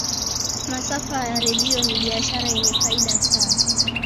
masafa ya redio ni biashara yenye faida sana